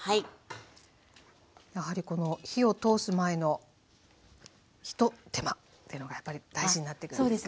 やはりこの火を通す前のひと手間というのがやっぱり大事になってくるんですかね。